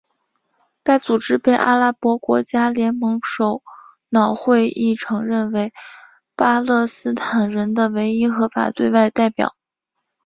该组织被阿拉伯国家联盟首脑会议承认为巴勒斯坦人的唯一合法对外代表。